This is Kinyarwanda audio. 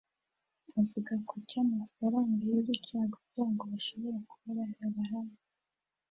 Avuga ku cy’amafaranga y’uducagucagu bashobora kuba barahawe